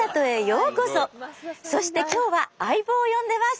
そして今日は相棒を呼んでます。